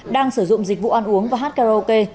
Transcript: đang sử dụng dịch vụ ăn uống và hát karaoke